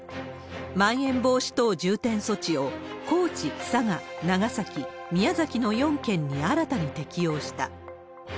まん延防止等重点措置を高知、佐賀、長崎、宮崎の４県に新たに適用した。